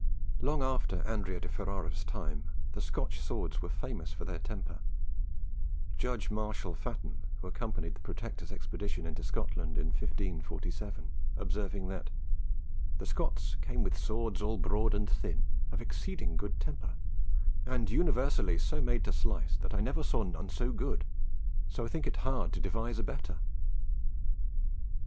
Long after Andrea de Ferrara's time, the Scotch swords were famous for their temper; Judge Marshal Fatten, who accompanied the Protector's expedition into Scotland in 1547, observing that "the Scots came with swords all broad and thin, of exceeding good temper, and universally so made to slice that I never saw none so good, so I think it hard to devise a better."